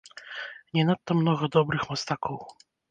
Не надта многа добрых мастакоў.